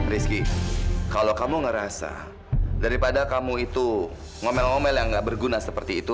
rizky kalau kamu ngerasa daripada kamu itu ngomel ngomel yang gak berguna seperti itu